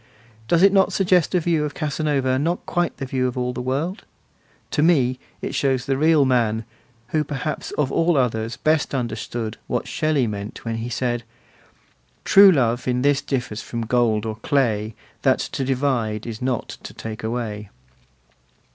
Does it not suggest a view of Casanova not quite the view of all the world? To me it shows the real man, who perhaps of all others best understood what Shelley meant when he said: True love in this differs from gold or clay That to divide is not to take away.